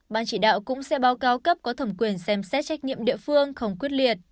ban chỉ đạo cũng sẽ báo cáo cấp có thẩm quyền xem xét trách nhiệm địa phương không quyết liệt